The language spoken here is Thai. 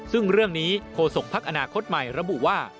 ซึ่งเรื่องนี้โฆษกภักดิ์อนาคตใหม่ระบุว่า